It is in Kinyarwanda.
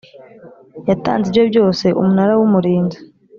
Yatanze ibye byose Umunara w Umurinzi